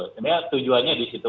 sebenarnya tujuannya di situ